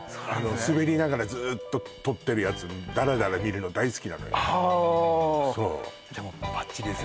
滑りながらずっと撮ってるやつダラダラ見るの大好きなのよはあそうじゃもうバッチリですね